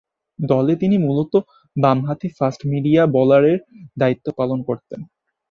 দলে তিনি মূলতঃ বামহাতি ফাস্ট মিডিয়াম বোলারের দায়িত্ব পালন করতেন।